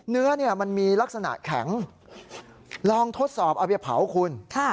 เนื้อมันมีลักษณะแข็งลองทดสอบเอาไปเผาคุณ